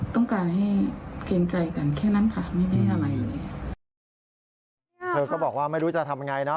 เธอก็บอกว่าไม่รู้จะทำยังไงนะ